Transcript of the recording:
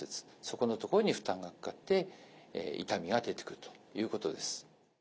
そこの所に負担がかかって痛みが出てくるということです。